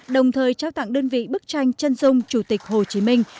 đồng thời trao tặng đơn vị bức tranh chân dung chủ tịch hồ chí minh